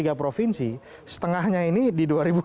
dari provinsi setengahnya ini di dua ribu delapan belas